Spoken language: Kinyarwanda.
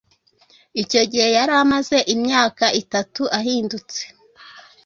Icyo gihe yari amaze imyaka itatu ahindutse.